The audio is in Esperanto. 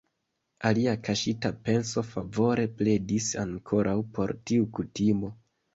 Alia kaŝita penso favore pledis ankoraŭ por tiu kutimo.